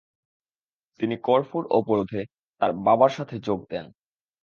তিনি করফুর অবরোধে তাঁর বাবার সাথে যোগ দেন।